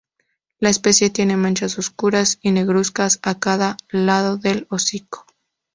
La especie tiene manchas oscuras y negruzcas a cada lado del hocico.